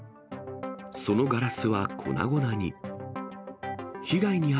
そのガラスは粉々に。